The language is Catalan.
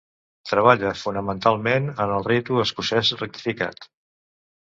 Treballa fonamentalment en el Ritu Escocès Rectificat.